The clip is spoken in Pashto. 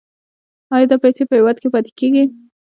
آیا دا پیسې په هیواد کې پاتې کیږي؟